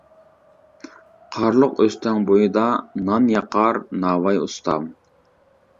قارلۇق ئۆستەڭ بويىدا، نان ياقار ناۋاي ئۇستام.